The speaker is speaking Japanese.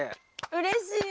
うれしい。